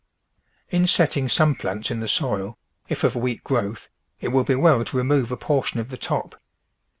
In setting some plants in the soil, if of weak growth, it will be well to remove a portion of the top.